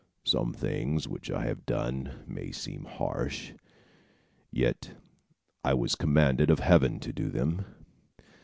Some things which I have done may seem harsh; yet I was commanded of Heaven to do them."